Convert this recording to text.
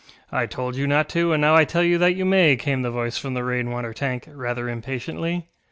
ŌĆ£I told you not to, and now I tell you that you may, ŌĆØ came the voice from the rain water tank, rather impatiently.